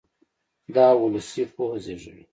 دا اولسي پوهه زېږوي.